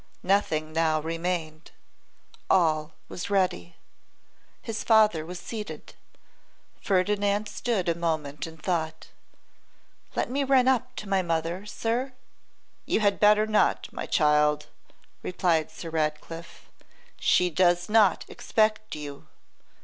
Nothing now remained. All was ready. His father was seated. Ferdinand stood a moment in thought. 'Let me run up to my mother, sir?' 'You had better not, my child,' replied Sir Ratcliffe, 'she does not expect you.